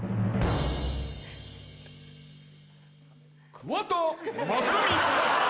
桑田真澄！